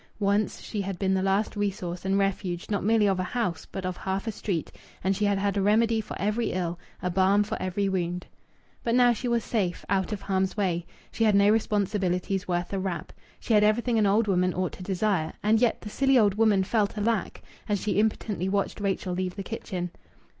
Once she had been the last resource and refuge not merely of a house, but of half a street, and she had had a remedy for every ill, a balm for every wound. But now she was safe, out of harm's way. She had no responsibilities worth a rap. She had everything an old woman ought to desire. And yet the silly old woman felt a lack, as she impotently watched Rachel leave the kitchen.